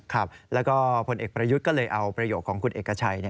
ครับแล้วก็ผลเอกประยุทธ์ก็เลยเอาประโยคของคุณเอกชัย